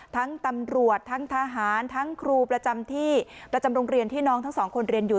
ทั้งตำรวจทั้งทหารทั้งครูประจำที่ประจำโรงเรียนที่น้องทั้งสองคนเรียนอยู่